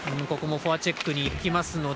ここもフォアチェックにいく。